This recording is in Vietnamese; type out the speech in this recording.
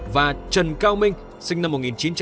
và trần cao minh sinh năm một nghìn chín trăm tám mươi